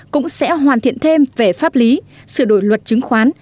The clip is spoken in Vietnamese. cũng sẽ hoàn thiện thêm về pháp lý sửa đổi luật chứng khoán